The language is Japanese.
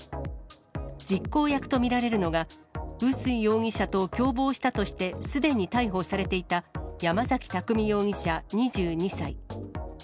実行役と見られるのが、碓氷容疑者と共謀したとしてすでに逮捕されていた、山崎拓海容疑者２２歳。